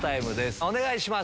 お願いします。